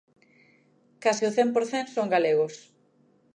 Case o cen por cen son galegos.